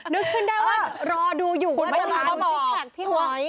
นึกขึ้นได้ว่ารอดูอยู่ว่าจะลงมาซิกแพคพี่หอย